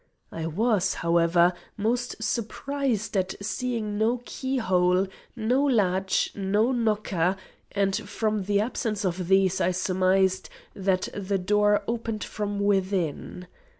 I was, however, most surprised at seeing no keyhole, no latch, no knocker, and from the absence of these I surmised that the door only opened from within.